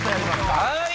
はい！